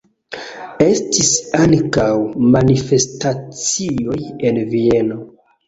Estis ankaŭ manifestacioj en Vieno.